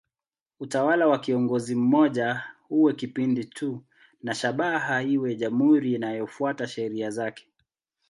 Utawala wa kiongozi mmoja uwe kipindi tu na shabaha iwe jamhuri inayofuata sheria zake.